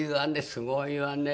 すごいわね」